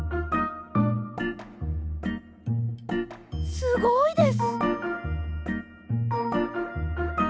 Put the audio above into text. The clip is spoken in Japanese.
すごいです。